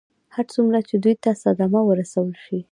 هر څومره چې دوی ته صدمه ورسول شي.